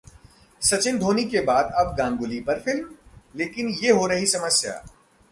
सचिन-धोनी के बाद अब गांगुली पर फिल्म? लेकिन ये हो रही समस्या